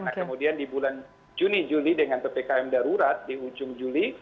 nah kemudian di bulan juni juli dengan ppkm darurat di ujung juli